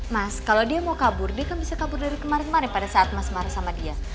mas kalau dia mau kabur dia kan bisa kabur dari kemarin kemarin pada saat mas marah sama dia